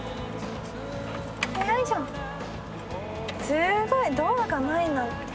すごい！ドアがないなんて。